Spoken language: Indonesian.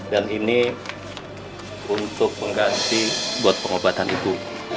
dan ini untuk mengganti buat pengobatan ibu